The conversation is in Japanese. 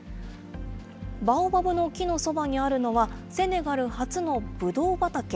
バオバブの木のそばにあるのは、セネガル初のぶどう畑。